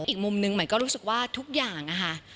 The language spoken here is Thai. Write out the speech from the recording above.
อีกมุมหนึ่งหมายก็รู้สึกว่าทุกอย่างนะคะ